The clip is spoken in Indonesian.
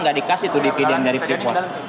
tidak dikasih tuh di pilihan dari preport